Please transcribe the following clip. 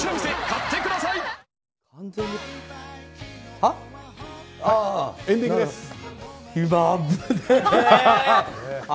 ああ。